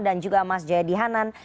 dan juga mas jaya dihanan